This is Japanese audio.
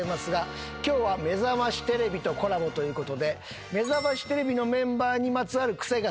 今日は『めざましテレビ』とコラボということで『めざましテレビ』のメンバーにまつわるクセがスゴい